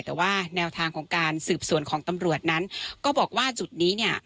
แต่ว่าแนวทางของการสืบสวนของตำรวจนั้นก็บอกว่าจุดนี้เนี่ย